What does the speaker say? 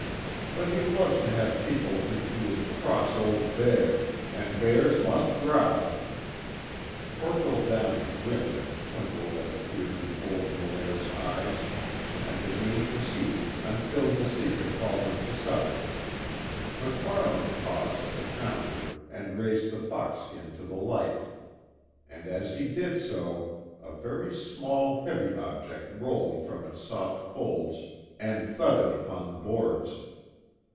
But he loves to have people think he is a cross old bear and bears must growl." Corporal Downey grinned at the twinkle that appeared in old Molaire's eyes, and the game proceeded until Neseka called them to supper. MacFarlane paused at the counter and raised the fox skin to the light. And as he did so, a very small, heavy object rolled from its soft folds and thudded upon the boards.